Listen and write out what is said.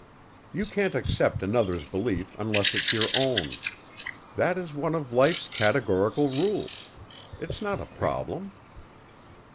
You can't accept another's belief unless it's your own. That is one of Life's categorical rules. It's not a problem."